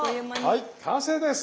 はい完成です！